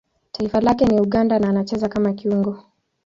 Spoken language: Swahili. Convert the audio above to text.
Taifa lake ni Uganda na anacheza kama kiungo.